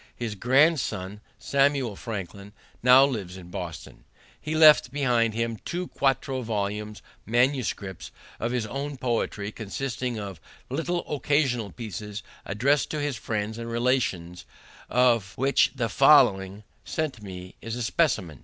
His grandson, Samuel Franklin, now lives in Boston. He left behind him two quarto volumes, MS., of his own poetry, consisting of little occasional pieces addressed to his friends and relations, of which the following, sent to me, is a specimen.